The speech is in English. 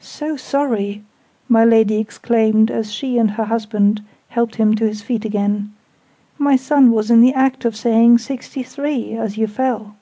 "So sorry!" my Lady exclaimed, as she and her husband helped him to his feet again. "My son was in the act of saying 'sixty three' as you fell!"